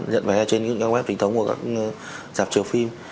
nhận vé trên những trang web chính thống của các giảm trường phim